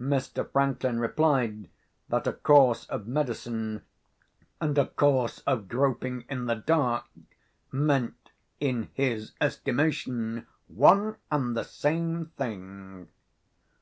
Mr. Franklin replied that a course of medicine, and a course of groping in the dark, meant, in his estimation, one and the same thing.